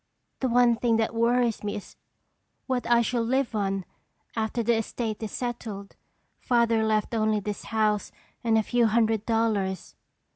The one thing that worries me is what I shall live on after the estate is settled. Father left only this house and a few hundred dollars."